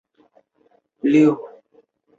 也是首批拥有研究生院的五所财经高校之一。